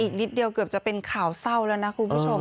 อีกนิดเดียวเกือบจะเป็นข่าวเศร้าแล้วนะคุณผู้ชม